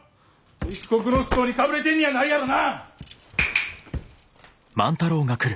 敵国の思想にかぶれてんのやないやろな！